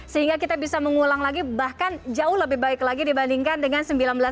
sehingga kita bisa mengulang lagi bahkan jauh lebih baik lagi dibandingkan dengan seribu sembilan ratus delapan puluh